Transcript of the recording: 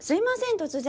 突然。